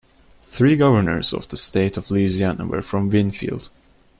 Three governors of the state of Louisiana were from Winnfield.